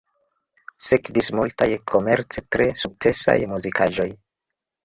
Sekvis multaj komerce tre sukcesaj muzikaĵoj.